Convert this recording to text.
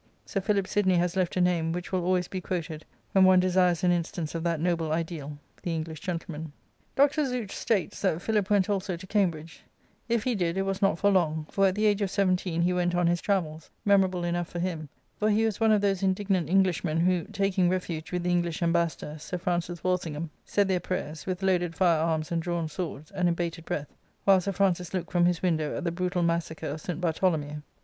Sir Philip Sidney has left a name which will always be quoted when one desires an instance of that noble ideal, the English gentleman. y Introductory and Biographical Essay, xiii Dr. Zouch states that Philip went also to Cambridge ; if he did, it was not for long, for at the age of sevfilllten he went on his travels, memorable enough for him, for he was one of those indignant Englishmen who, taking refuge with the English ambassador, Sir Francis Wal singham, said their prayers, with loaded fire arms and drawn swords, and in bated breath, while Sir Francis looked from his window at the brutal massacre of Saint / Bartholomew.